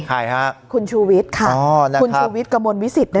ใครฮะคุณชูวิทย์ค่ะอ๋อนะครับคุณชูวิทย์กระมวลวิสิตนั่นเอง